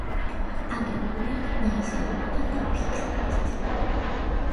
აგებულია გნაისებითა და ფიქლებით.